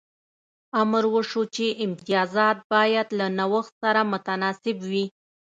امر وشو چې امتیازات باید له نوښت سره متناسب وي